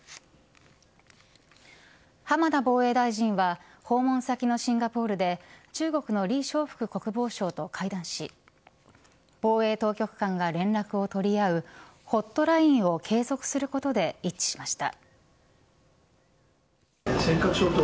浜田防衛大臣は訪問先のシンガポールで中国の李尚福国防相と会談し防衛当局間が連絡を取り合うホットラインを継続することで一致しました。